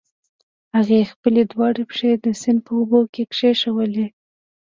هغې خپلې دواړه پښې د سيند په اوبو کې کېښودې.